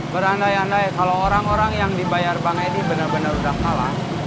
berandai andai kalo orang orang yang dibayar bang edi bener bener udah kalah